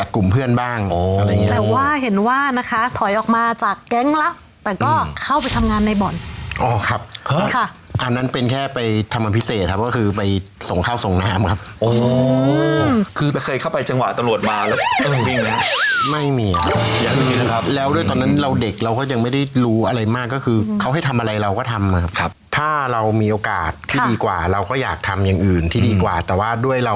ครับอะไรค่ะอันนั้นเป็นแค่ไปทำอันพิเศษครับก็คือไปส่งข้าวส่งน้ำครับโอ้คือเคยเข้าไปจังหวะตำโหลดมาแล้วไม่มีอ่ะไม่มีนะครับแล้วด้วยตอนนั้นเราเด็กเราก็ยังไม่ได้รู้อะไรมากก็คือเขาให้ทำอะไรเราก็ทำมาครับครับถ้าเรามีโอกาสที่ดีกว่าเราก็อยากทำอย่างอื่นที่ดีกว่าแต่ว่าด้วย